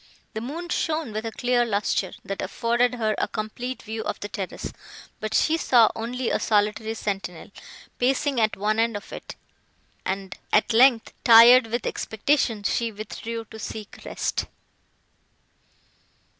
The moon shone with a clear lustre, that afforded her a complete view of the terrace; but she saw only a solitary sentinel, pacing at one end of it; and, at length, tired with expectation, she withdrew to seek rest.